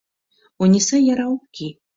Ониса яра ок кий.